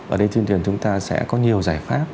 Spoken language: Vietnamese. ở đây tuyên truyền chúng ta sẽ có nhiều giải pháp